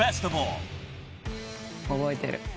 覚えてる。